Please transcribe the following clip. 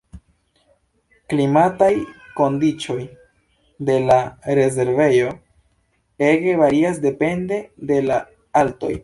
Klimataj kondiĉoj de la rezervejo ege varias depende de la altoj.